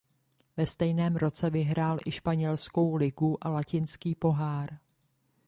Ve stejném roce vyhrál i španělskou ligu a Latinský pohár.